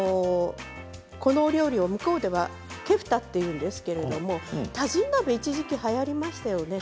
このお料理を向こうではケフタというんですけどタジン鍋一時期はやりましたよね。